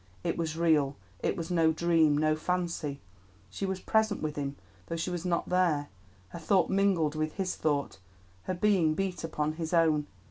It was real; it was no dream, no fancy; she was present with him though she was not there; her thought mingled with his thought, her being beat upon his own.